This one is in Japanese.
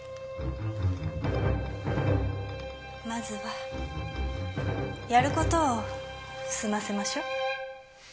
まずはやる事を済ませましょう。